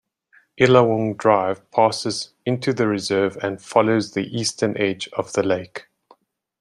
Illawong Drive passes into the reserve and follows the eastern edge of the lake.